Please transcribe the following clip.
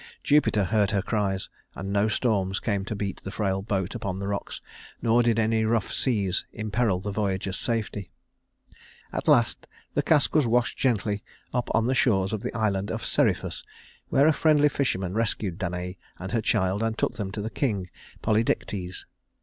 Jupiter heard her cries, and no storms came to beat the frail boat upon the rocks, nor did any rough seas imperil the voyager's safety. At last the cask was washed gently up on the shores of the island of Seriphus, where a friendly fisherman rescued Danaë and her child and took them to the king, Polydectes.